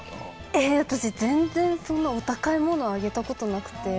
えっ私全然そんなお高いものあげた事なくて。